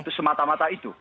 itu semata mata itu